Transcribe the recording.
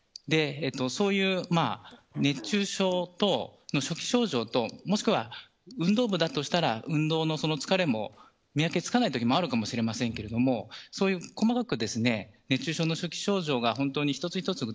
そういう熱中症の初期症状ともしくは、運動部だとしたら運動の疲れと見分けがつかないときもあるかもしれませんがそういう、細かく熱中症の初期症状が一つ一つ